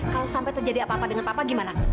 kalau sampai terjadi apa apa dengan papa gimana